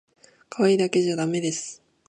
かわいいだけじゃだめです